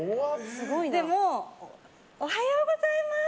でも、おはようございます！